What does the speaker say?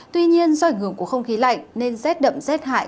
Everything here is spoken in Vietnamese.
tuy nhiên do ảnh hưởng của không khí lạnh nên rét đậm rét hại